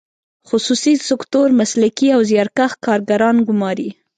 خصوصي سکتور مسلکي او زیارکښ کارګران ګماري.